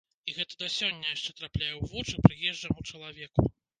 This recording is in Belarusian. І гэта да сёння яшчэ трапляе ў вочы прыезджаму чалавеку.